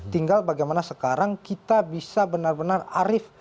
tinggal bagaimana sekarang kita bisa benar benar arif